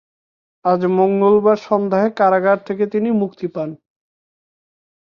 আজ মঙ্গলবার সন্ধ্যায় কারাগার থেকে তিনি মুক্তি পান।